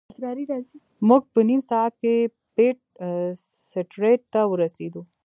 موږ په نیم ساعت کې پیټ سټریټ ته ورسیدو.